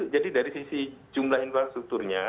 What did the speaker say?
jadi dari sisi jumlah infrastrukturnya